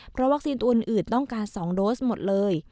เพราะวัคซีนตัวอื่นต้องการ๒โดสหมดเลย